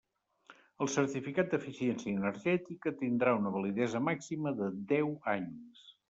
El Certificat d'Eficiència Energètica tindrà una validesa màxima de deu anys.